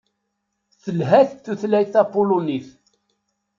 Telhat tutlayt tapulunit.